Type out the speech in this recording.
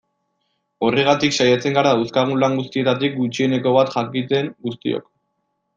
Horregatik saiatzen gara dauzkagun lan guztietatik gutxieneko bat jakiten guztiok.